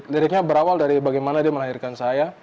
liriknya berawal dari bagaimana dia melahirkan saya